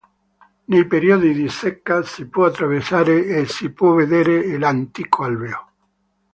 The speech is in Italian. Nei periodi di secca si può attraversare e si può vedere l'antico alveo.